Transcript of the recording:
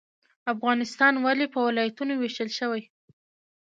افغانستان ولې په ولایتونو ویشل شوی؟